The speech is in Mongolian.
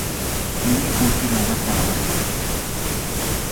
Миний хүү тэр агаадаа аваачаад өгчих.